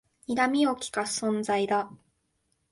にらみをきかす存在だ